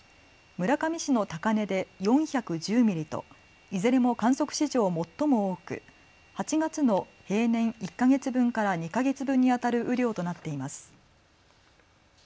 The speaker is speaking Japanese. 村上市の高根で４１０ミリといずれも観測史上最も多く８月の平年１か月分から２か月分にあたる雨量となっています。